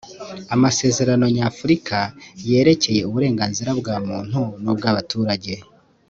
amasezerano nyafurika yerekeye uburenganzira bwa muntu n ubw abaturage